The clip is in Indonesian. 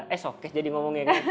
eh softcase jadi ngomongnya kan